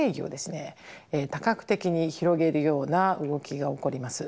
多角的に広げるような動きが起こります。